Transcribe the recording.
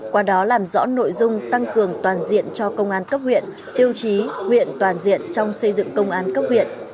qua đó làm rõ nội dung tăng cường toàn diện cho công an cấp huyện tiêu chí huyện toàn diện trong xây dựng công an cấp huyện